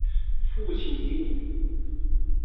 父亲李晟。